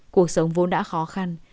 cuộc sống vốn đã khó khăn